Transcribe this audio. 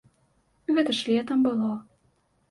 Гэта ж летам было.